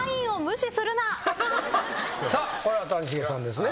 さあこれは谷繁さんですね。